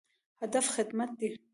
هدف خدمت دی